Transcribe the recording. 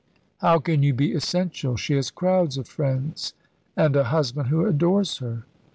"How can you be essential? She has crowds of friends, and a husband who adores her."